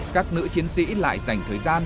các nữ chiến sĩ lại dành thời gian